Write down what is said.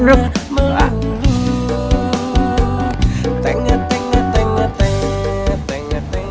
tengah tengah tengah tengah tengah tengah tengah tengah